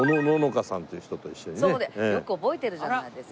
よく覚えてるじゃないですか。